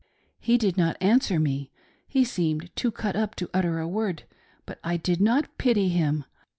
I5I He did not answer me ; he seemed too cut up to utter a word, but I did not pity him.